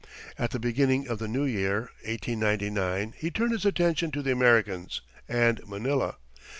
At the beginning of the new year (1899), he turned his attention to the Americans, and Manila.